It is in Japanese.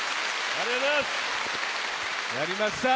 ありがとうございます。